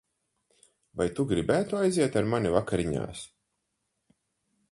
Vai tu gribētu aiziet ar mani vakariņās?